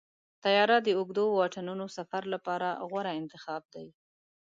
طیاره د اوږدو واټنونو سفر لپاره غوره انتخاب دی.